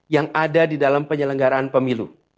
yang ada di dalam penyelenggaraan pemilu